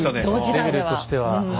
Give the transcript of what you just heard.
レベルとしては。